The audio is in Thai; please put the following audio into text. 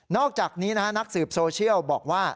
อกจากนี้นักสืบโซเชียลบอกว่า